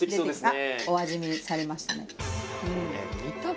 あっお味見されましたね。